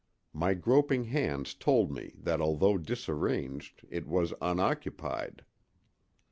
My groping hands told me that although disarranged it was unoccupied.